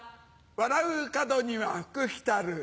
「笑う門には福来たる」